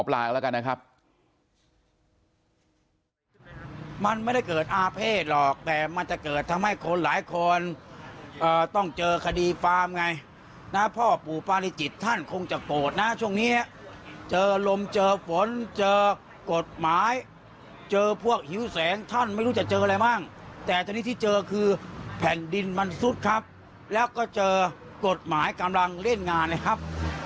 หลักศัยศาสตร์หรือเปล่าเดี๋ยวฟังหมอปลาแล้วกันนะครับ